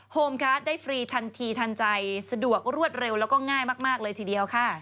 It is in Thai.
โฮมการ์ดได้ฟรีทันทีทันใจสะดวกรวดเร็วแล้วก็ง่ายมากเลยทีเดียวค่ะ